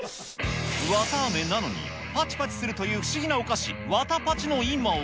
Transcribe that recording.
わたあめなのに、パチパチするという不思議なお菓子、わたパチの今は？